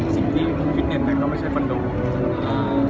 ของอาวุธเนี่ยก็ไม่ใช่ฟันดูกครับ